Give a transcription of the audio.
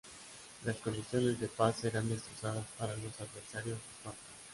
Las condiciones de paz eran desastrosas para los adversarios de Esparta.